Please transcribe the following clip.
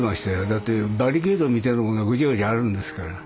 だってバリケードみたいなものがグチャグチャあるんですから。